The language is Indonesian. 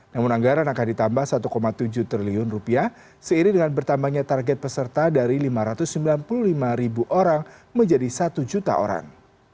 namun anggaran akan ditambah satu tujuh triliun seiring dengan bertambahnya target peserta dari lima ratus sembilan puluh lima ribu orang menjadi satu juta orang